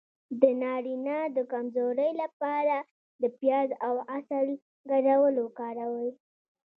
د نارینه د کمزوری لپاره د پیاز او عسل ګډول وکاروئ